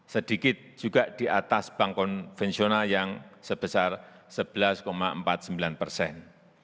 sedikit juga di atas bank konvensional yang sebesar sebelas empat puluh sembilan persen